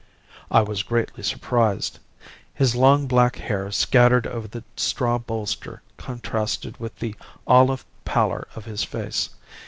"I was greatly surprised. His long black hair scattered over the straw bolster contrasted with the olive pallor of his face.